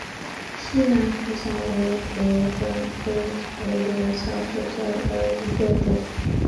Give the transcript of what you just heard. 西南莩草为禾本科狗尾草属下的一个种。